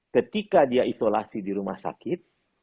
ketika dia isolasi di rumah sakit